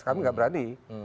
kami tidak berani